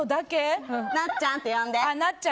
なっちゃんって呼んで。